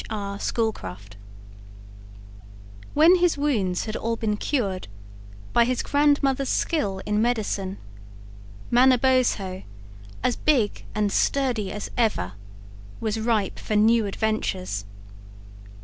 R. Schoolcraft When his wounds had all been cured by his grandmother's skill in medicine, Manabozho, as big and sturdy as ever, was ripe for new adventures.